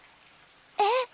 えっ！